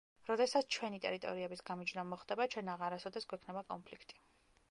როდესაც ჩვენი ტერიტორიების გამიჯვნა მოხდება, ჩვენ აღარასდროს გვექნება კონფლიქტი.